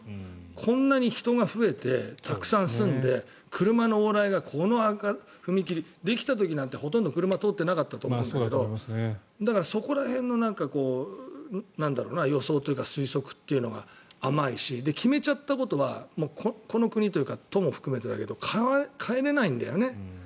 こんなに人が増えてたくさん住んで、車の往来がこの踏切、できた時なんてほとんど車通ってなかったと思うんだけどだからそこら辺の予想というか推測というのが甘いし決めちゃったことはこの国というか都も含めてだけど変えれないんだよね。